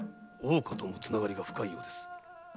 大岡とも繋がりが深いようです。